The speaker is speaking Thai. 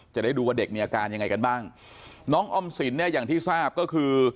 จะได้ดูว่าเด็กมีอาการยังไงกันบ้างน้องออมสินเนี่ยอย่างที่ทราบก็คือ